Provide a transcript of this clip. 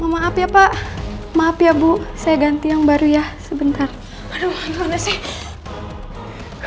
maaf ya pak maaf ya bu saya ganti yang baru ya sebentar aduh